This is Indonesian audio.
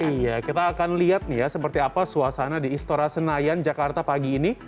iya kita akan lihat nih ya seperti apa suasana di istora senayan jakarta pagi ini